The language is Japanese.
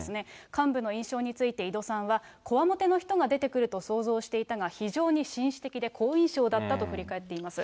幹部の印象について井戸さんは、こわもての人が出てくると想像していたが、非常に紳士的で好印象だったと振り返っています。